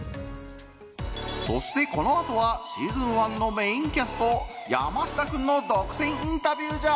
そしてこの後はシーズン１のメインキャスト山下君の独占インタビューじゃ！